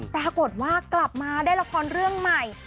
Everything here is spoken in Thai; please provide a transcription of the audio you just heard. ปรากฏว่ากลับมาได้ละครเรื่องใหม่